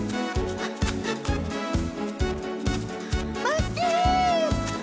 待って！